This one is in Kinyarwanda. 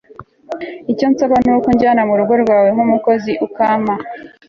icyo nsaba ni uko unjyana mu rugo rwawe, nk'umukozi, ukampa